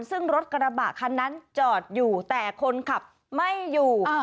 ซึ่งรถกระบะคันนั้นจอดอยู่แต่คนขับไม่อยู่